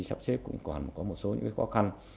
sắp xếp cũng còn có một số khó khăn